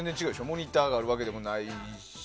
モニターがあるわけでもないし。